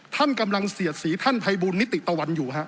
ท่านกำลังเสียดสีท่านภัยบูลนิติตะวันอยู่ฮะ